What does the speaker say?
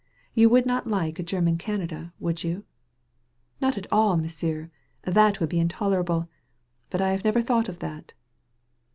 You would not like a •German Canada, would you?" "Not at all, M'sieu', that would be intolerable. But I have never thought of that."